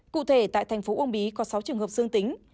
cụ thể tại thành phố uông bí có sáu trường hợp dương tính